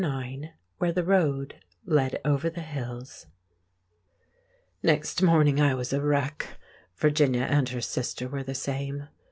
IX Where the Road Led Over the Hills NEXT morning I was a wreck. Virginia and her sister were the same.